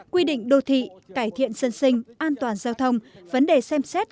quy định đô thị cải thiện dân sinh an toàn giao thông vấn đề xem xét